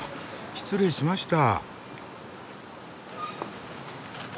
失礼しました。